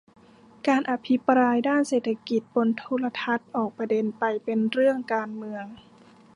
การอภิปรายด้านเศรษฐกิจบนโทรทัศน์ออกประเด็นไปเป็นเรื่องการเมือง